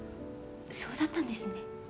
そうだったんですね。